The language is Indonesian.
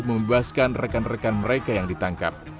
membebaskan rekan rekan mereka yang ditangkap